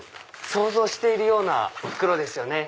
想像しているような袋ですよね。